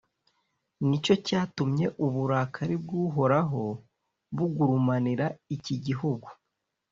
ni cyo cyatumye uburakari bw’uhoraho bugurumanira iki gihugu,